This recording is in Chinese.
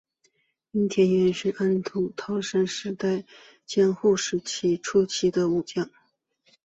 樱田元亲是安土桃山时代至江户时代初期的武将。